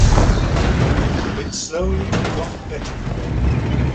It slowly got better.